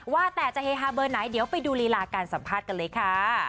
ว่าแต่จะเฮฮาเบอร์ไหนเดี๋ยวไปดูรีลาการสัมภาษณ์กันเลยค่ะ